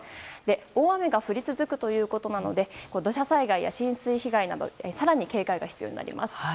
大雨が降り続くということなので土砂災害や浸水被害など更に警戒が必要になります。